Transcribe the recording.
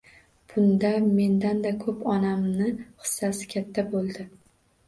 Bunda mendanda koʻp onamni xissasi katta boʻldi